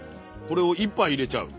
これを１杯入れちゃう？